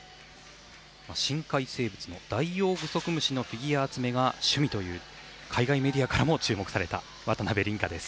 深海生物のダイオウグソクムシのフィギュア集めが趣味という海外メディアからも注目された渡辺倫果です。